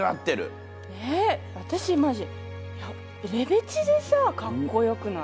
えっ私マジレベチでさかっこよくない？